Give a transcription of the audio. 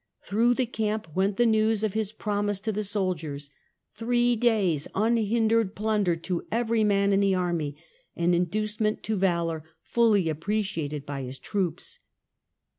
Through the camp went the news of his promise to the soldiers : three days unhindered plunder to every man in the army, an inducement to valour fully appreciated by his troops.